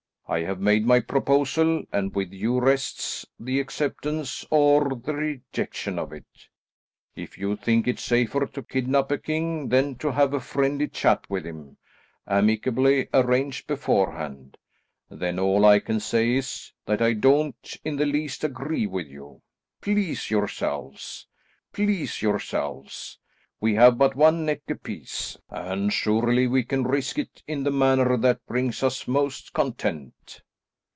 I have made my proposal, and with you rests the acceptance or the rejection of it. If you think it safer to kidnap a king than to have a friendly chat with him, amicably arranged beforehand, then all I can say is, that I don't in the least agree with you. Please yourselves; please yourselves. We have but one neck apiece, and surely we can risk it in the manner that brings us most content."